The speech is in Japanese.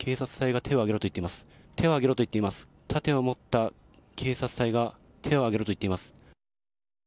盾を持った警察隊が手を上げろと言っています。